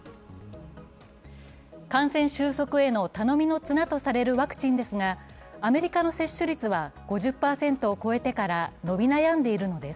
感染収束への頼みの綱とされるワクチンですがアメリカの接種率は５０％を超えてから伸び悩んでいるのです。